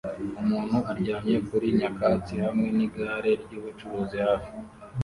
Umuntu aryamye kuri nyakatsi hamwe nigare ryubucuruzi hafi